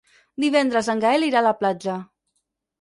Divendres en Gaël irà a la platja.